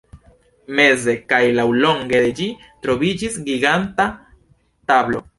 Meze kaj laŭlonge de ĝi troviĝis giganta tablo.